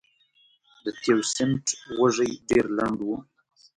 د تیوسینټ وږی ډېر لنډ و.